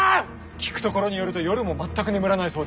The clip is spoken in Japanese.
聞くところによると夜も全く眠らないそうで。